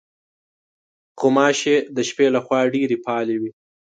غوماشې د شپې له خوا ډېرې فعالې وي.